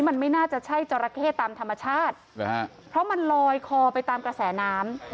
มันไม่น่าจะใช่จราเข้ตามธรรมชาติเพราะมันลอยคอไปตามกระแสน้ำ